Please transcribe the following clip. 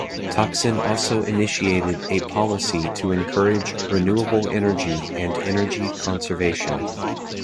Thaksin also initiated a policy to encourage renewable energy and energy conservation.